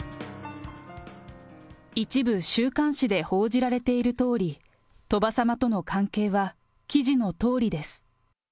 一部、週刊誌で報じられているとおり、鳥羽様との関係は記事のとおりです。